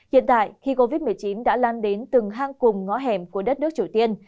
hiện tại khi covid một mươi chín đã lan đến từng hang cùng ngõ hẻm của đất nước triều tiên